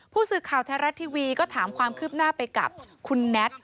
ผู้สื่อข่าวไทยรัฐทีวีก็ถามความคืบหน้าไปกับคุณแน็ต